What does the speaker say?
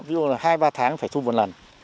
ví dụ là hai ba tháng phải thu một lần